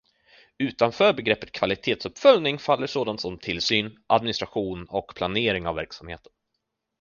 Utanför begreppet kvalitetsuppföljning faller sådant som tillsyn, administration och planering av verksamheten.